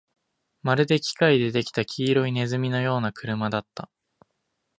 まるで機械で出来た黄色い鼠のような車だった